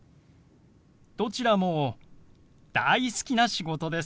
どちらも大好きな仕事です。